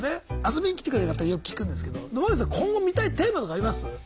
遊びに来てくれる方よく聞くんですけど野間口さん今後見たいテーマとかあります？